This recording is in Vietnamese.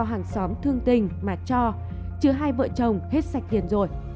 có hàng xóm thương tình mà cho chứ hai vợ chồng hết sạch tiền rồi